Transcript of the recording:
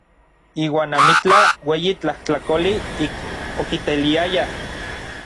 Iuan amitlaj ueyi tlajtlakoli ik okiteiliayaj.